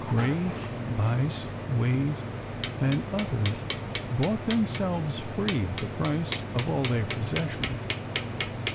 Grey, Buyse, Wade, and others bought themselves free at the price of all their possessions.